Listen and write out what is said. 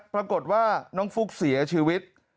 ปรากฏว่าน้องฟุ๊กเสียชีวิต